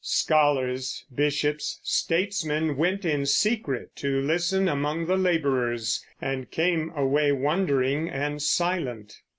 Scholars, bishops, statesmen went in secret to listen among the laborers, and came away wondering and silent.